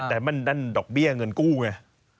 แต่มันนั่นดอกเบี้ยเงินกู้ไง